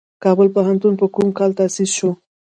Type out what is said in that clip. کابل پوهنتون په کوم کال تاسیس شو؟